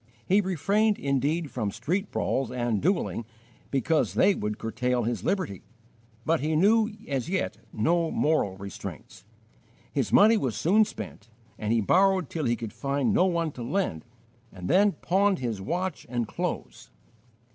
He refrained indeed from street brawls and duelling, because they would curtail his liberty, but he knew as yet no moral restraints. His money was soon spent, and he borrowed till he could find no one to lend, and then pawned his watch and clothes.